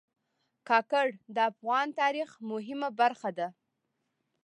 کاکړ د افغان تاریخ مهمه برخه دي.